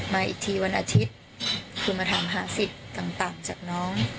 มาอีกทีวันอาทิตย์คุณมาถามหาสิทธิ์ต่างจากน้อง